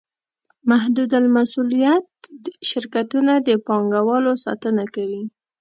محدودالمسوولیت شرکتونه د پانګوالو ساتنه کوي.